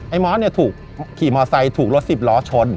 มอสเนี่ยถูกขี่มอไซค์ถูกรถสิบล้อชน